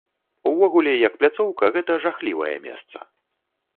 Увогуле як пляцоўка гэта жахлівае месца!